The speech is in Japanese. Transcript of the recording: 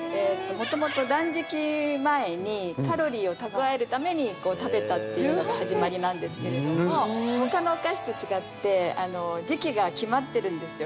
もともと断食前にカロリーを蓄えるために食べたっていうのが始まりなんですけれども他のお菓子と違って時期が決まってるんですよ